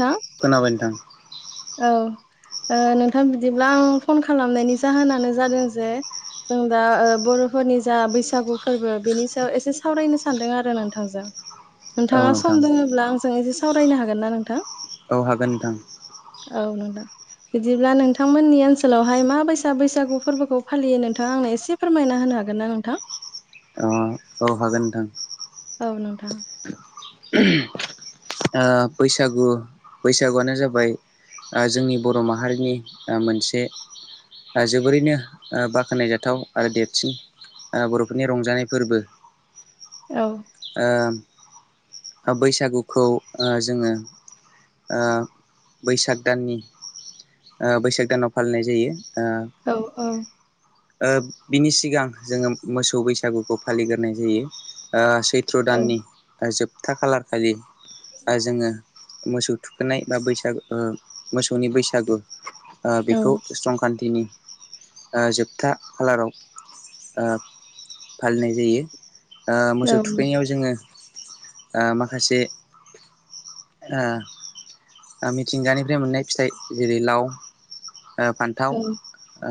नोंथां खोनाबाय नोंथां। औ ओ नोंथां बिदिब्ला आं फन खालामनायनि जाहोनानो जादों जे जों दा ओ बर'फोरनि जा बैसागु फोरबो बेनि सायाव एसे सावरायनो सानदों आरो नोंथांजों। औ नोंथाङा नोंथां सम दोङोब्ला आंजों एसे सावरायनो हागोन ना नोंथां? औ हागोन नोंथां। औ नोंथां। बिदिब्ला नोंथांमोननि ओनसोलावहाय मा बायसा बैसागु फोरबोखौ फालियो नोंथाङा आंनो एसे फोरमायना होनो हागोन ना नोंथां? अ। औ हागोन नोंथां। औ नोंथां। ओ बैसागु बैसागुआनो जाबाय ओ जोंनि बर' माहारिनि ओ मोनसे ओ जोबोरैनो ओ बाख्नायजाथाव आरो देरसिन ओ बर'फोरनि रंजानाय फोरबो औ ओ बैसागुखौ ओ जोङो ओ बैसाग दाननि ओ बैसाग दानाव फालिनाय जायो ओ औ औ। ओ बिनि सिगां जोङो मोसौ बैसागुखौ फालिग्रोनाय जायो। ओ सैथ्र' औ दाननि ओ जोबथा खालार खालि ओ जोङो मोसौ थुखोनाय बा बैसागु ओ मोसौनि बैसागु औ बेखौ स्रंकान्टिनि ओ जोबथा खालाराव ओ फालिनाय जायो। ओ औ मोसौ थुखैनायाव जोङो ओ माखासे ओ मिथिंगानिफ्राय मोननाय फिथाइ जेरै लाव ओ फान्थाव ओ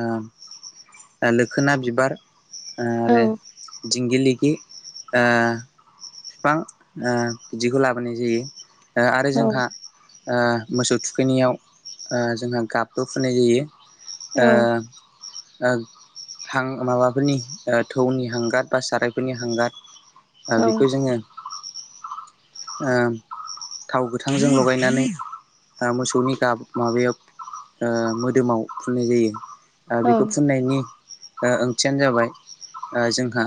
ओ लोखोना बिबार औ आरो दिंगिलिगि ओ फिफां ओ बिदिखौ लाबोनाय जायो ओ आरो औ जोंहा ओ मोसौ थुखैनायाव ओ जोंहा गाबबो फुननाय जायो। ओ ओ हां माबाफोरनि ओ थौनि हांगार बा सारायफोरनि हांगार ओ औ बि दिनो ओ थाव गोथांजों लगायनानै ओ मोसौनि गाब माबायाव ओ मोदोमाव फुननाय जायो ओ बेखौ फुननायनि ओ ओंथियानो जाबाय ओ जोंहा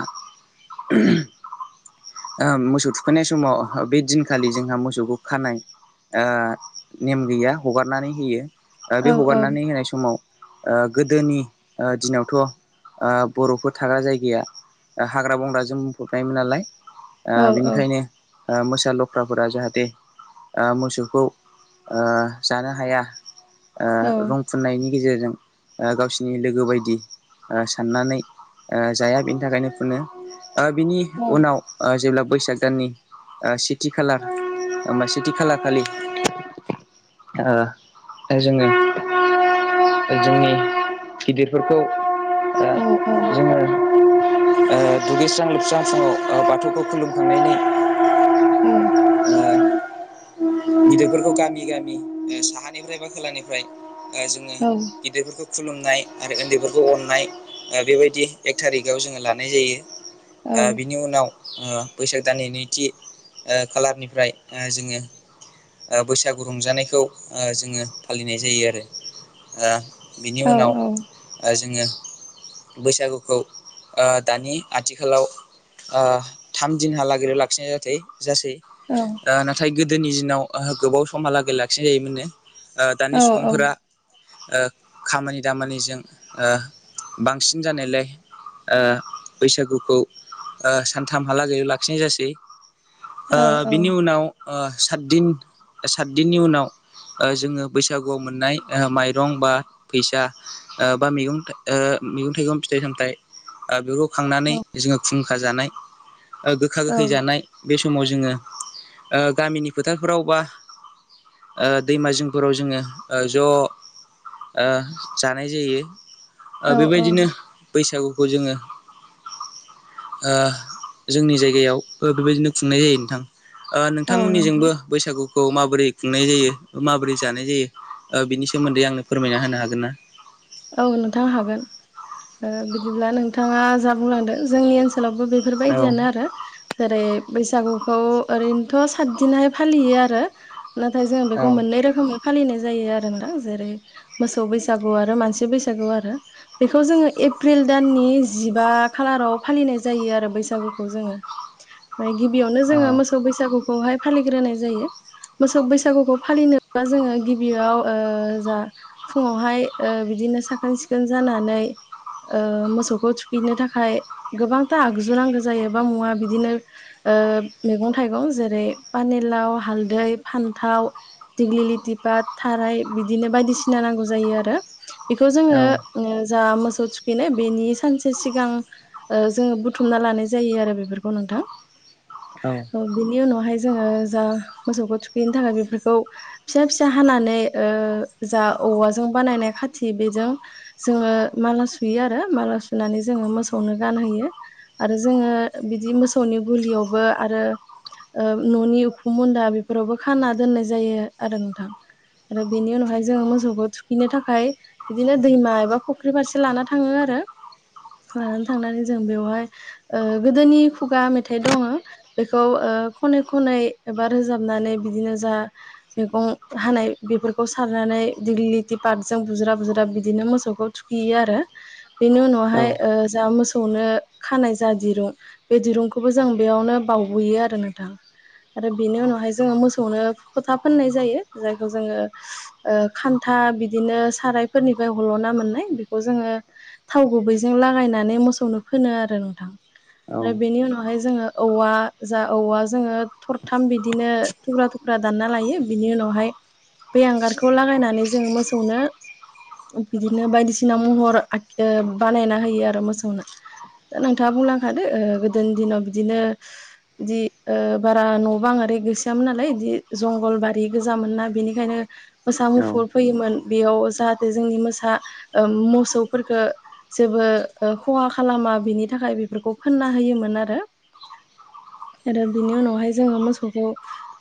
ओक्षमोसौ थुखैनाय समाव बे दिनखालि जोंहा मोसौखौ खानाय ओ नेम गैया हगारनानै होयो बे हगारनानै होनाय समाव ओ गोदोनि ओ दिनावथ' ओ बर'फोर थाग्रा जायगाया ओ हाग्रा बंग्राजों बुंफबनायमोन नालाय। ओ बिनिखायनो ओ मोसा लख्राफोरा जाहाथे ओ मोसौखौ ओ जानो हाया ओ औ रं फुननायनि गेजेरजों ओ गावसिनि लोगो बायदि ओ साननानै ओ जाया बेनि थाखायनो फुनो बिनि औ उनाव ओ जेब्ला बैसाग दाननि ओ सेथि खालार ओ सेथि खालार खालि ओ ओ जोङो जोंनि गिदिरफोरखौ औ औ। ओ ओ दुगैस्रां लोबस्रां फुङाव ओ बाथौ खौ खुलुमखांनायनि उम। गिदिरफोरखौ गामि गामि साहानिफ्राय बा खोलानि ओमफाय जोङो औ गिदिरफोरखौ खुलुमनाय आरो उन्दैफोरखौ अननाय बेबायदि एक थारिखआव जोङो लानाय जायो ओ बिनि उनाव ओ बैसाग दाननि नैथि खालारनिफ्राय ओ जोङो ओ बैसागु रंजानायखौ जोङो ओ जोङो फालिनाय जायो आरो। ओ बिनि औ उनाव ओ जोङो बैसागुखौ ओ दानि आथिखालाव ओ थाम दिनहालागैल' लाखिनाय जथै जासै। औ। ओ नाथाय गोदोनि दिनाव ओ गोबाव समहालागै लाखिनाय जायोमोननो। ओ औ दानि सुबुंफोरा ओ खामानि दामानिजों ओ बांसिन जानायलाय ओ बैसागुखौ ओ सान थामहालागै लाखिनाय जासै। ओ बिनि उनाव ओ सातदिन सातदिननि उनाव ओ जोङो बैसागुआव मोननाय ओ माइरं बा फैसा ओ बा मैगं ओ‌ मैगं थाइगं फिथाइ सामथाय ओ बेखौ खांनानै जोङो खुंखा जानाय ओ गोखा गोखै जानाय बे समाव जोङो ओ गामिनि फोथारफोराव बा ओ दैमा जिंफोराव जोङो ओ ज' ओ जानाय जायो। ओ औ बिबायदिनो बैसागुखौ जोङो ओ जोंनि जायगायाव ओ बिबायदिनो खुंनाय जायो नोंथां। ओ औ नोंथां नोंथांमोननिजोंबो बैसागुखौ माबोरै खुंनाय जायो माबोरै जानाय जायो ओ बिनि सोमोन्दै आंनो फोरमायना होनो हागोन ना? औ नोंथां हागोन। ओ बिदिब्ला नोंथाङा जा बुंलांदों जोंनि ओनसोलावबो बि औ फोरबायदियानो आरो। जेरै बैसागुखौ ओरैनोथ' सातदिननानो फालियो आरो। नाथाय जोङो औ बेखौ मोननै रोखोमै फालिनाय जायो आरोना। जेरै मोसौ बैसागु आरो मानसि बैसागु आरो। बेखौ जोङो एप्रिल दाननि जिबा खालाराव फालिनाय जायो आरो बैसागुखौ जोङो। ओमफ्राय गिबियावनो औ जोङो मोसौ बैसागुखौहाय फालिग्रोनाय जायो। मोसौ बैसागुखौ फालिनोबा जोङो गिबियाव ओ जा फुङावहाय ओ बिदिनो साखोन सिखोन जानानै ओ मोसौखौ थुखैनो थाखाय गोबांथा आगजु नांगौ जायो बा मुवा बिदिनो ओ मैगं थाइगं जेरै पानेलाव, हालदै, फान्थाव, दिग्लि लिथि पाट, थाराय बिदिनो बायदिसिना नांगौ जायो आरो। बेखौ जों औ। ओ जा मोसौ थुखैनाय बेनि सानसे सिगां ओ जोङो बुथुमना लानाय जायो आरो बेफोरखौ नोंथां। औ। ओ बिनि उनावहाय जोङो जा मोसौखौ थुखैनो थाखाय बेफोरखौ फिसा फिसा हानानै ओ जा औवाजों बानायनाय खा थि बेजों जोङो माला सुयो आरो माला सुनानै जोङो मोसौनो गानहोयो। आरो जोङो बिदि मोसौनि ग'लियावबो आरो ओ न'नि उखुमुन्दा बेफोरावबो खाना दोननाय जायो आरो नोंथां। आरो बेनि उनावहाय जोङो मोसौखौ थुखैनो थाखाय बिदिनो दैमा एबा फुख्रि फारसे लाना थाङो आरो। लानानै थांनानै जों बेवहाय ओ गोदोनि खुगा मेथाइ दङो। बेखौ ओ खनै खनै एबा रोजाबनानै बिदिनो जा मैगं हानाय बेफोरखौ सारनानै दिगलिटि पाटजों बुज्राब बुज्राब बिदिनो मोसौखौ थुखैयो आरो। बेनि औ औ उनावहाय ओ जा मोसौनो खानाय जा दिरुं बे दिरुंखौबो जों बेयावनो बावबोयो आरो नोंथां। आरो बेनि उनावहाय जोङो मोसौनो फोथा फोननाय जायो जायखौ जोङो ओ खान्था बिदिनो सारायफोरनिफ्राय हल'ना मोननाय बेखौ जोङो थाव गुबैजों लागायनानै मोसौनो फोनो आरो नोंथां आरो बेनि उनावहाय जोङो औवा जा औवा जोङो थरथाम बिदिनो थुख्रा थुख्रा दानना लायो बिनि उनावहाय बे हांगारखौ लागायनानै जों मोसौनो बिदिनो बायदिसिना महर आख बानायना होयो आरो मोसौनो। दा नोंथाङा बुंलांखादो ओ गोदोनि दिनाव बिदिनो दि‌ ओ बारा न' बां आरि गैसोयामोन नालाय बिदि जंगल बारि गोजामोनना बिनि खायनो मोसा मुफुर फैयोमोन बेयाव ज जाहाथे जोंनि मोसा ओ मुसौफोरखो जेबो ओ खहा खालामा बिनि थाखाय बेफोरखौ फोनना होयोमोन आरो। रो बिनि उनावहाय जोङो मोसौखौ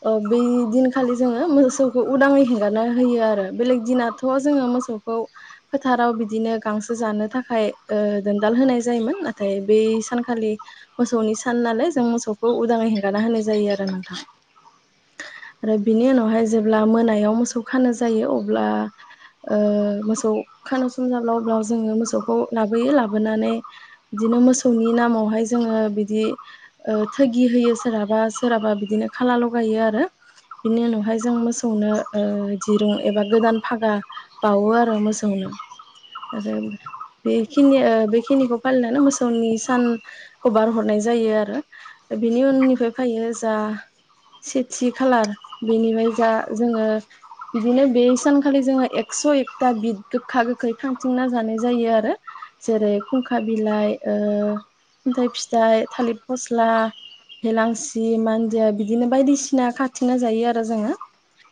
अ बि दिनखालि जोङो मोसौखौ उदाङै हेंगारना होयो आरो बेलेग दिनाथ' जोङो मोसौखौ फोथाराव बिदिनो गांसो जानो थाखाय ओ दोनदाल होनाय जायोमोन नाथाय बै सानखालि मोसौनि सान नालाय जों मोसौखौ उदाङै हेंगारना होनाय जायो आरो नोंथां। आरो बिनि उनावहाय जेब्ला मोनायाव मोसौ खानो जायो अब्ला ओ मोसौ खानो सम जाब्ला अब्ला जोङो मोसौखौ लाबोयो लाबोनानै इदिनो मोसौनि नामावहाय जोङो बिदि ओ थोगि होयो सोरहाबा सोरहाबा बिदिनो खाला लगायो आरो। बिनि उनावहाय जों मोसौनो ओ दिरुं एबा गोदान फागा बावो आरो मोसौनो आरो बेखिनि ओ बेखिनिखौ फालिनानै मोसौनि सानखौ बारहरनाय जायो आरो। दख बिनि उननिफ्राय फायो जा सेथि खालार बेनिफ्राय जा जोङो बिदिनो बे सानखालि जोङो एक स' एकथा बिद गोखा गोखै खांथिंना जानाय जायो आरो। जेरै खुंखा बिलाइ, ओ खुन्थाइ फिथाइ, थालिर फस्ला,। हेलांसि मानदिया बिदिनो बायदिसिना खांथिना जायो आरो जोङो।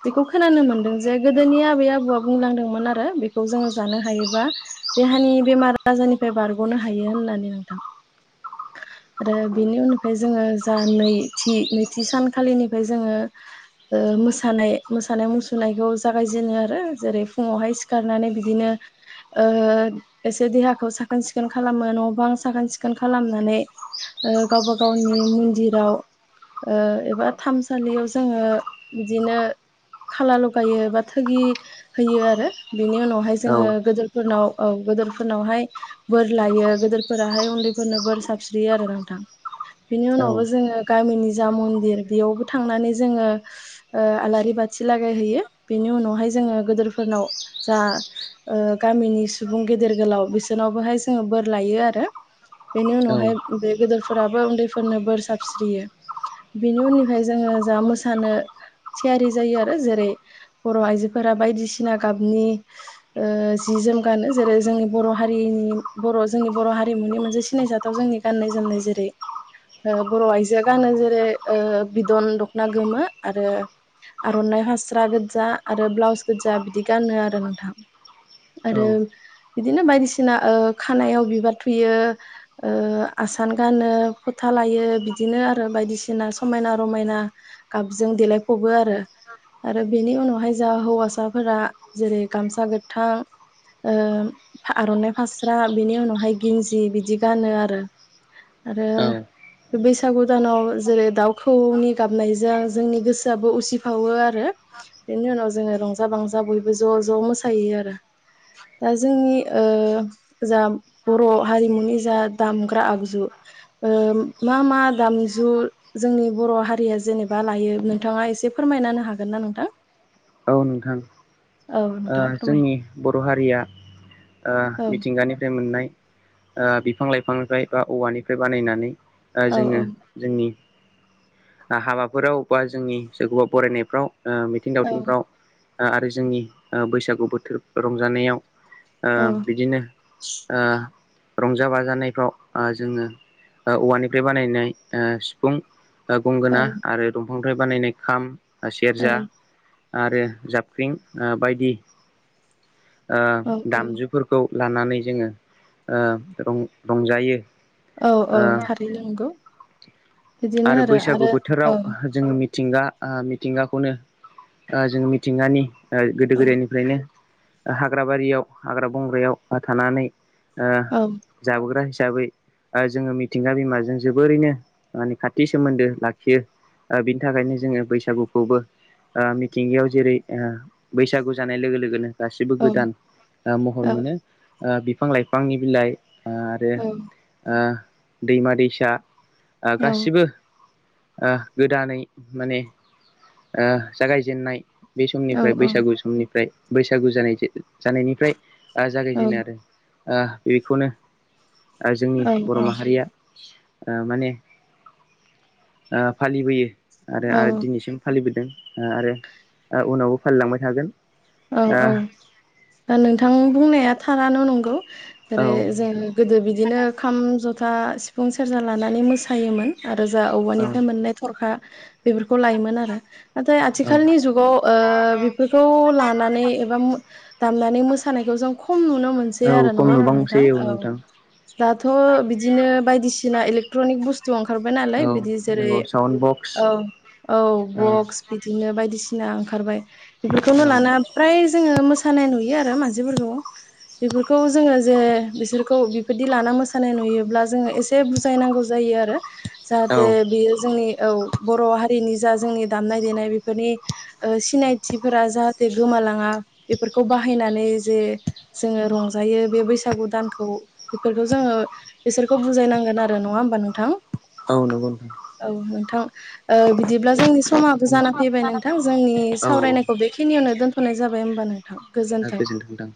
बेखौ खोनानो मोनदों जे गोदोनि आबै आबौआ बुंलांदोंमोन आरो बेखौ जोङो जानो हायोबा देहानि बेमार आजारनिफाय बारग'नो हायो होननानै नोंथां। आरो बिनि उननिफ्राय जोङो जा नैथि नैथि सानखालिनिफाय जोङो ओ मोसानाय मोसानाय मुसुरनायखौ जागायजेनो आरो जेरै फुङावहाय सिखारनानै बिदिनो ओ एसे देहाखौ साखोन सिखोन खालामो न' बां साखोन सिखोन खालामनानै ओ गावबा गावनि मिन्दिराव ओ एबा थामसालियाव जोङो बिदिनो खाला लगायो बा थोगि होयो आरो बिनि उनावहाय जोङो गोदोर फोरनाव औ गोदोरफोरनावहाय बोर लायो गोदोरफोराहाय उन्दैफोरनो बोर साबस्रियो आरो नोंथां बिनि उनावबो जोङो गामिनि जा मन्दिर बेयावबो थांनानै जोङो ओ आलारि बाथि लागायहैयो बेनि उनावहाय जोङो गोदोरफोरनाव जा ओ गामिनि सुबुं गेदेर गोलाव बिसोरनावबोहाय जोङो बोर लायो आरो बेनि औ उनावहाय बे गेदोरफोराबो उन्दैफोरनो बोर साबस्रियो। बेनि उननिफाय जोङो जा मोसानो थियारि जायो आरो जेरै बर' आइजोफोरा बायदिसिना गाबनि ओ जि जोम गानो जेरै जोंनि बर' हारिनि बर' जोंनि बर' हारिमुनि मोनसे सिनायजा थाव जोंनि गाननाय जोमनाय जेरै ओ बर' आइजोआ गानो जेरै ओ बिदन दख'ना गोमो आरो आर'नाइ हास्रा गो्जा आरो ब्लाउस गोदजा जा बिदि गानो आरो नोंथां आरो बिदिनो बायदिसिना ओ खानायाव बिबार थुयो ओ आसान गानो फोथा लायो बिदिनो आरो बायदिसिना समायना रमायना गाबजों देलायफबो आरो आरो बेनि उनावहाय जा हौवासा फोरा जेरै गामसा गोथां ओ आर'नाइ फास्रा बिनि उनावहाय गिन्जि बिदि गानो आरो औ आरो बैसागु दानाव जेरै दाउखौऔनि गाबनायजों जोंनि गोसोआबो उसिफावो आरो बेनि उनाव जोङो रंजा बांजा बयबो ज' ज' मोसायो आरो दा जोंनि ओ जा बर' हारिमुनि जा दामग्रा आगजु ओ मा मा दामजु जोंनि बर' हारिया जेनेबा लायो नोंथाङा एसे फोरमायना होनो हागोन ना नोंथां? औ नोंथां। औ ओ नोंथां फोरमाय जोंनि बर' हारिया ओ औ मिथिंगानिफ्राय मोननाय ओ बिफां लाइफांनिफ्राय बा औवानिफ्राय बानायनानै ओ औ जोङो औ जोंनि आ हाबाफोराव बा जोंनि सोरखौबा बरायनायफ्राव ओ मिथिं दावथिं ओ आरो जोंनि ओ बैसागु बोथोर रंजानायाव ओ औ बिदिनो ओ रंजा बाजानायफ्राव ओ जोङो ओ औवानिफ्राय बानायनाय ओ सिफुं ओ औ गंगोना आरो दंफांनि बानायनाय खाम औ सेरजा आरो जाबख्रिं ओ बायदि ओ औ दामजुफोरखौ लानानै जोङों ओ रं-रंजायो। औ औ ओ थारैनो नंगौ। आरो बैसागु बोथोराव जोङो मिथिंगा ओ मिथिंगाखौनो ओ जों मिथिंगानि ओ गोदो गोदायनिफ्रायनो हाग्रा बारियाव हाग्रा बंग्रायाव थानानै ओ औ जाबोग्रा हिसाबै ओ जोङो मिथिंगा बिमाजों जोबोरैनो माने खाथि सोमोन्दो लाखियो ओ बिनि थाखायनो जोङो बैसागुखौबो ओ मिथिंगायाव जेरै ओ बैसागु जानाय लोगो लोगोनो गासिबो औ औ गोदान ओ औ महर मोनो ओ बिफां लाइफांनि बिलाइ आरो औ ओ दैमा दैसा ओ औ गासिबो ओ गोदानै माने ओ जागायजेननाय बे औ समनिफ्राय बैसागु समनिफ्राय बैसागु जानाय जानायनिफ्राय आ औ जागायजेनो आरो ओ बेखौनो ओ जोंनि बर' माहारिया ओ माने ओ फालिबोयो आरो आरो दिनैसिम फालिबोदों ओ आरो ओ उनावबो फालिलांबाय थागोन। औ औ ओ दा नोंथां बुंनाया थारानो नंगौ जेरै जों गोदो बिदिनो खाम ज'था सिफुं सेरजा लानानै मोसायोमोन आरो जा औ औवानिफ्राय मोननाय थरखा बेफोरखौ लायोमोन आरो नाथाय औ आथिखालनि जुगाव ओ बेफोरखौ लानानै एबा मु दामनानै मोसानायखौ जों खम नुनो मोन सै औ आरो खम नङा होमबा नोंथां? नुबांसै औ नोंथां दाथ' बिदिनो बायदिसिना इलेकट्रनिक बुस थु ओंखारबाय नालाय औ बिदि जेरै नंगौ साउन्ड बक्स औ औ ओ बक्स बिदिनो बायदिसिना ओंखारबाय औ बेफोरखौनो लाना फ्राय जोङो मोसानाय नुयो आरो मानसिफोरखौ। बेफोरखौ जोङो जे बिसोरखौ बेफोरदि लाना मोसानाय नुयोब्ला जोङो ए से बुजायनांगौ जायो आरो औ जाहाथे बेयो जोंनि औ बर' हारिनि जा जोंनि दामनाय देनाय बेफोरनि ओ सिनायथिफोरा जाहाथे गोमालाङा बेफोरखौ बाहायनानै जे जोङो रंजायो बे बैसागु दानखौ बेफोरखौ जोङो बिसोरखौ बुजायनांगोन आरो नङा होमबा नोंथां? औ नंगौ नोंथां। औ नोंथां। ओ बिदिब्ला जोंनि समाबो जाना नोंथां फैबाय नोंथां जोंनि औ सावरायनायखौ औ बेखिनियावनो दोन थ'नाय जाबाय होमबा नोंथां गोजोन्थों। गोजोनथों नोंथां